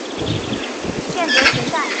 腺独行菜